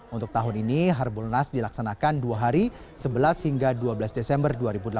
untuk tahun ini harbolnas dilaksanakan dua hari sebelas hingga dua belas desember dua ribu delapan belas